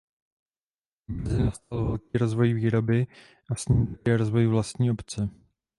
Brzy nastal velký rozvoj výroby a s ním také rozvoj vlastní obce.